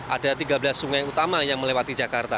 ada tiga belas sungai utama yang melewati jakarta